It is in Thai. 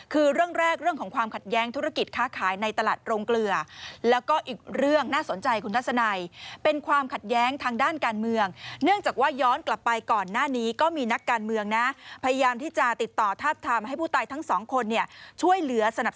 คือเรื่องแรกคือเรื่องของความขัดแย้งธุรกิจค้าขายในตลาดโรงเกลือ